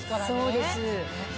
そうです。